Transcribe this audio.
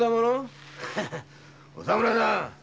お侍さん！